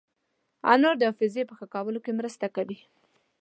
انار د حافظې ښه کولو کې مرسته کوي.